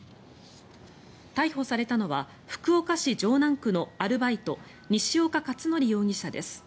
逮捕されたのは福岡市城南区のアルバイト西岡且准容疑者です。